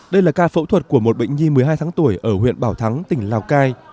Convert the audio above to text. đây là ca phẫu thuật của một bệnh nhi một mươi hai tháng tuổi ở huyện bảo thắng tỉnh lào cai